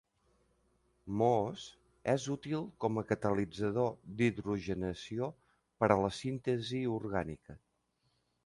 MoS és útil com a catalitzador d'hidrogenació per a la síntesi orgànica.